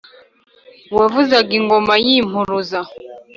uwavuzaga ingoma y’impuruza